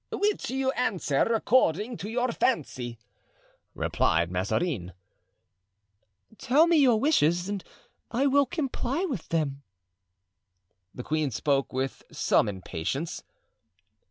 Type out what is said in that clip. "Which you answer according to your fancy," replied Mazarin. "Tell me your wishes and I will comply with them." The queen spoke with some impatience.